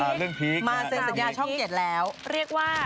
มาเสนสัญญาช่อง๗แล้ว